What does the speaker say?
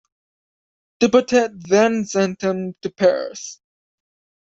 Dupotet then sent them to Paris.